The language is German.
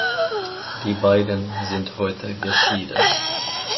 Die beiden sind heute geschieden.